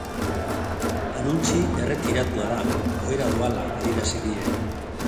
Anuntxi erretiratua da, ohera doala adierazi die.